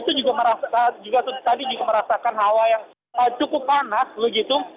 itu juga merasa tadi juga merasakan hawa yang cukup panas begitu